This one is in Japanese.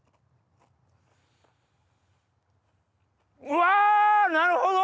うわなるほど！